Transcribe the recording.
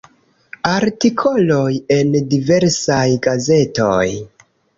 Artikoloj en diversaj gazetoj.